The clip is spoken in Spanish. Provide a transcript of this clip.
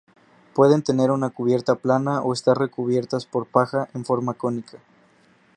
Pueden tener una cubierta plana o estar recubiertas por paja, en forma cónica.